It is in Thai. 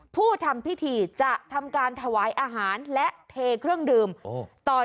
ผู้ทำพิธีจะทำการถวายอาหารและเทเครื่องดื่มต่อ